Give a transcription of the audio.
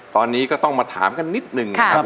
ตอนนี้ก็ต้องมาถามกันนิดหนึ่งนะครับ